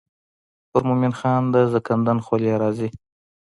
پر مومن خان د زکندن خولې راځي.